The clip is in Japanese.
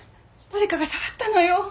誰かが触ったのよ。